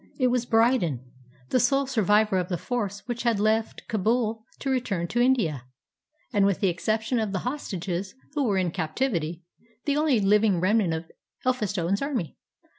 It was Brydon, the sole survivor of the force which had left Kabul to return to India, and, with the exception of the hostages who were in captivity, the only h\ing remnant of Elphinstone's army.